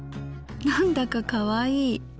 なんだかかわいい。